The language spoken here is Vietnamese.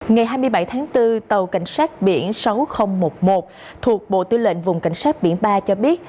ngày hai mươi bảy tháng bốn tàu cảnh sát biển sáu nghìn một mươi một thuộc bộ tư lệnh vùng cảnh sát biển ba cho biết